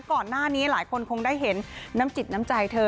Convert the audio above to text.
ก่อนหน้านี้หลายคนคงได้เห็นน้ำจิตน้ำใจเธอ